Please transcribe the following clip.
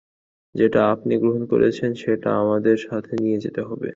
যেটা আপনি গ্রহণ করেছেন, সেটা আপনার সাথে নিয়ে যেতে হবে।